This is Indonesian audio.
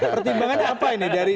pertimbangan apa ini